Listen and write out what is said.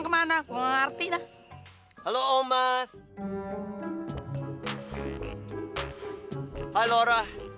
hei ayah apa kabar